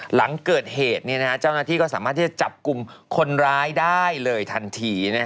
หลังเกิดเหตุเจ้าหน้าที่ก็สามารถที่จะจับกลุ่มคนร้ายได้เลยทันที